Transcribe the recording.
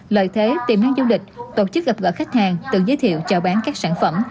lợi thế tiềm năng du lịch tổ chức gặp gỡ khách hàng tự giới thiệu chào bán các sản phẩm